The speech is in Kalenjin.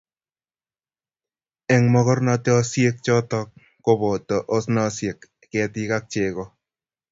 eng mogornotosiechoto ko boto osnosiek, ketik ak chego